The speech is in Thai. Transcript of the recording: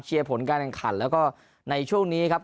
เชียร์ผลการการขัดแล้วก็ในช่วงนี้ครับ